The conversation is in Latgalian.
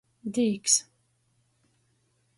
Dīks.